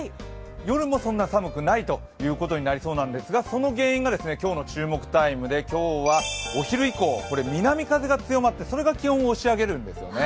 夜もそんなに寒くないということになりそうなんですがその原因が今日の注目タイムで今日はお昼以降、南風が強まってそれが気温を押し上げるんですね。